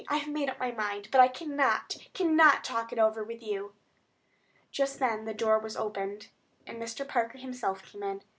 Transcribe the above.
I have made up my mind; but I cannot, cannot talk it over with you." Just then the door was opened, and Mr. Parker himself came in.